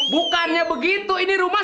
bukannya begitu ini rumah